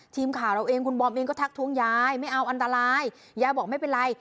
ทีมข่าวเราเองคุณบอมเองก็ทักทวงยายไม่เอาอันตรายยายบอกไม่เป็นไร